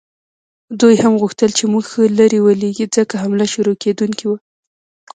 دوی هم غوښتل چې موږ ښه لرې ولیږي، ځکه حمله شروع کېدونکې وه.